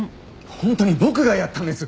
本当に僕がやったんです！